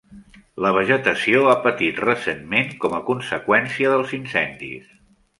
La vegetació ha patit recentment com a conseqüència dels incendis.